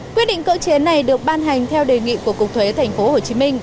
quyết định cưỡng chế này được ban hành theo đề nghị của cục thuế tp hcm